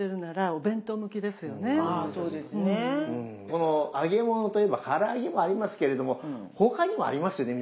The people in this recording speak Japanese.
この揚げ物といえばから揚げもありますけれども他にもありますよね